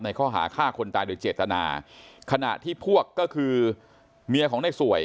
ข้อหาฆ่าคนตายโดยเจตนาขณะที่พวกก็คือเมียของในสวย